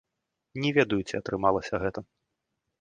Не ведаю, ці атрымалася гэта.